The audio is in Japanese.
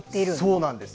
そうなんです。